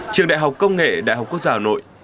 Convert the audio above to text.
trường đại học công nghệ đại học quốc giáo nội